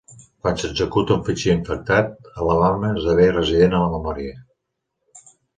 Quan s'executa un fitxer infectat, Alabama esdevé resident a la memòria.